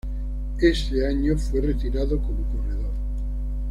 Ese año fue retirado como corredor.